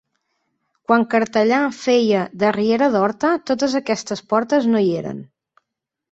Quan Cartellà feia de riera d'Horta totes aquestes portes no hi eren.